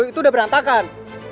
itu udah berantakan